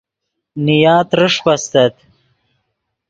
نیا ترݰپ استت